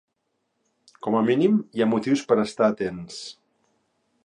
Com a mínim, hi ha motius per a estar atents.